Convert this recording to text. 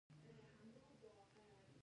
زه د عذر منل زړورتیا ګڼم.